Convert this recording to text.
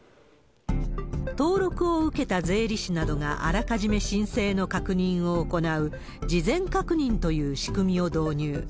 登録を受けた税理士などがあらかじめ申請の確認を行う、事前確認という仕組みを導入。